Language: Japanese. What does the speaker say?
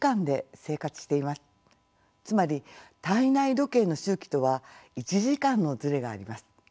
つまり体内時計の周期とは１時間のズレがあります。